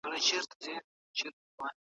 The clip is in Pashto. خپل کالي په پاکه المارۍ کي ساتئ.